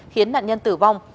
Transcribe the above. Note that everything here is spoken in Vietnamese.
khiến nạn nhân tử vong